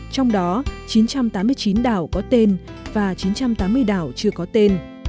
trong đó chín trăm tám mươi chín đảo có tên và chín trăm tám mươi đảo chưa có tên